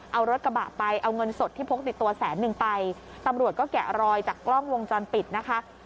เอารถกระบะไปเอาเงินสดที่พกติดตัวแสนนึงไปตำรวจก็แกะรอยจากกล้องวงจรปิดนะคะ